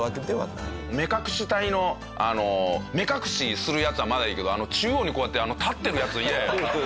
目隠し隊の目隠しするヤツはまだいいけど中央にこうやって立ってるヤツ嫌だろ。